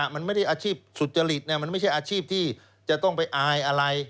มันไม่ได้อาชีพสุจริตมันไม่ใช่อาชีพที่จะต้องไปอายอะไร